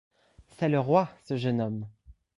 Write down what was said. C’est le Roi ! ce jeune homme !